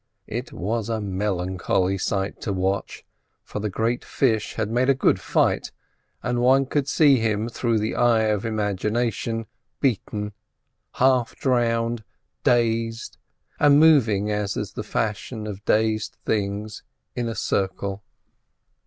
It was a melancholy sight to watch, for the great fish had made a good fight, and one could see him, through the eye of imagination, beaten, half drowned, dazed, and moving as is the fashion of dazed things in a circle.